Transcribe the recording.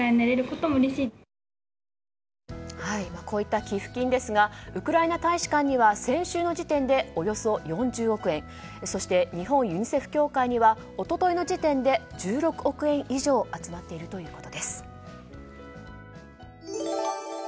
こういった寄付金ですがウクライナ大使館には先週の時点でおよそ４０億円そして、日本ユニセフ協会には一昨日の時点で１６億円以上集まっているということです。